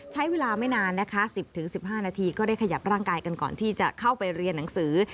ใช้เวลาไม่นานนะคะ๑๐๑๕นาทีก็ได้ขยับร่างกายกันก่อนที่จะเข้าไปเรียนหนังสือ